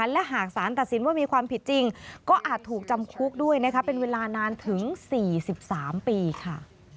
และหากสารตัดสินว่ามีความผิดจริงก็อาจถูกจำคุกด้วยนะคะเป็นเวลานานถึง๔๓ปีค่ะ